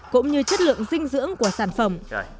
cũng như chất lượng dinh dưỡng của sản phẩm